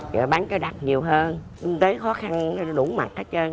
giờ bán cây đặc nhiều hơn tế khó khăn đủ mặt hết trơn